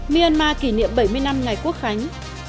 myanmar kỷ niệm bảy mươi năm ngày quốc khánh